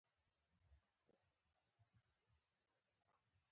_اه! تمه دې مه باسه.